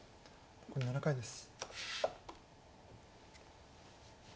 残り７回です。